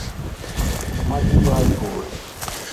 مہ دی بات گوئ۔